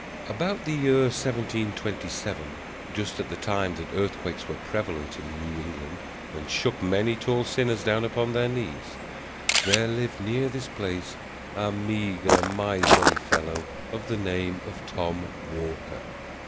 About the year 1727, just at the time that earthquakes were prevalent in New England, and shook many tall sinners down upon their knees, there lived near this place a meagre, miserly fellow, of the name of Tom Walker.